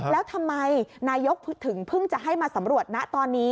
แล้วทำไมนายกถึงเพิ่งจะให้มาสำรวจนะตอนนี้